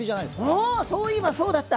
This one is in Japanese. おそういえばそうだった！